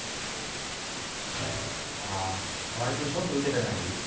あ川合君ショック受けてない？